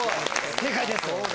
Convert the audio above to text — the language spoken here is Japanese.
正解です！